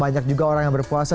banyak juga orang yang berpuasa